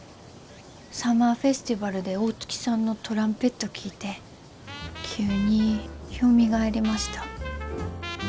サマーフェスティバルで大月さんのトランペット聴いて急によみがえりました。